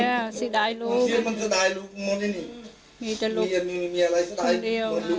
มีแต่ลูกทุกเดียว